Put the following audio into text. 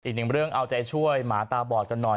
อีกหนึ่งเรื่องเอาใจช่วยหมาตาบอดกันหน่อย